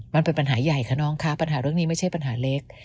มันเป็นปัญหาใหญ่ค่ะน้องคะปัญหาเรื่องนี้ไม่ใช่ปัญหาเล็ก